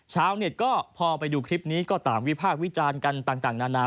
ชาวเน็ตก็พอไปดูคลิปนี้ก็ต่างวิพากษ์วิจารณ์กันต่างนานา